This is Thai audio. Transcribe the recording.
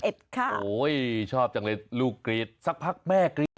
โอ้โหชอบจังเลยลูกกรีดสักพักแม่กรี๊ด